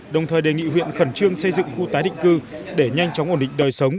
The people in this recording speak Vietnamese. đồng thời đề nghị huyện khẩn trương xây dựng khu tái định cư để nhanh chóng ổn định đời sống